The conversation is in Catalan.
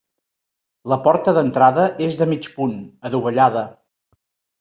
La porta d'entrada és de mig punt, adovellada.